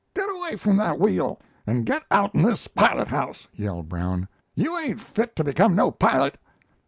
"Get away from that wheel! and get outen this pilothouse!" yelled Brown. "You ain't fit to become no pilot!"